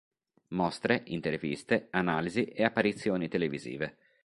Mostre, interviste, analisi e apparizioni televisive.